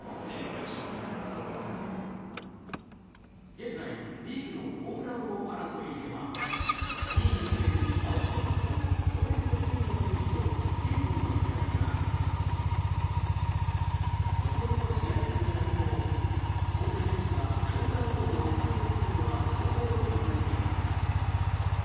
現在リーグのホームラン王争いでは２位につけるホワイトソックスのロベルトＪｒ．選手と９本の開きがあり残りの試合数から見ても大谷選手がホームラン王を獲得するのは濃厚といわれています。